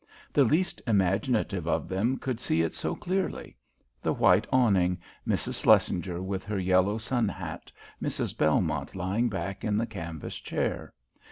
The least imaginative of them could see it so clearly: the white awning, Mrs. Shlesinger with her yellow sun hat, Mrs. Belmont lying back in the canvas chair.